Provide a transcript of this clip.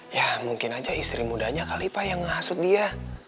ya mungkin aja istri mudanya kali pak yang ngasut dia